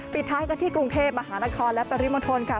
ปิดท้ายกันที่กรุงเทพมหานครและปริมณฑลค่ะ